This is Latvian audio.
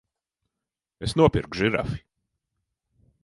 Es nopirku žirafi!